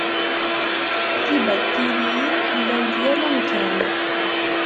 Tibaktiryin llant yal amkan.